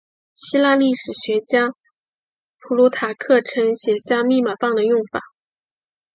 希腊历史学家普鲁塔克曾写下密码棒的用法。